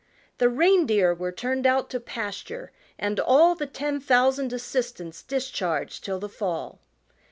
The reindeer were turned out to pasture and all The ten thousand assistants discharged till the fall.